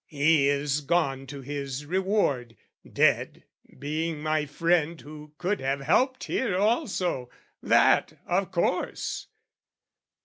He is gone to his reward, dead, being my friend Who could have helped here also, that, of course!